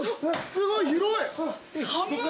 すごい広い！